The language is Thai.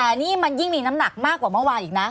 แต่นี่มันยิ่งมีน้ำหนักมากกว่าเมื่อวานอีกนะ